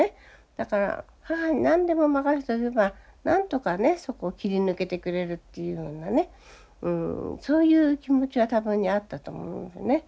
だから母に何でも任せておけばなんとかねそこ切り抜けてくれるっていうようなねそういう気持ちは多分にあったと思いますね。